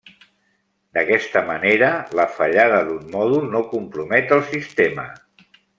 D'aquesta manera la fallada d'un mòdul no compromet el sistema.